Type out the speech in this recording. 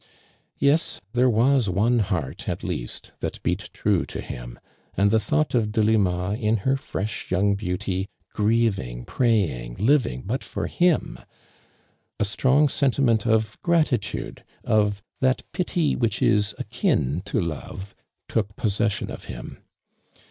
Yes, there was one heart, at least, that beat true to him, and the tlxought of Delima in her fresh young beauty, grieving, praying, living but lor him, a strong senti ment of gratitude, of " That pity which is akin to love," took possession of him.